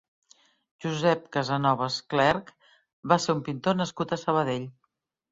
Josep Casanovas Clerch va ser un pintor nascut a Sabadell.